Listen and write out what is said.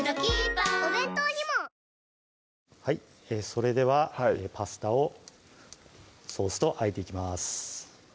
それではパスタをソースとあえていきます